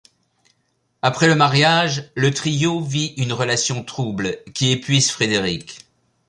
Après le mariage le trio vit une relation trouble, qui épuise Frédéric.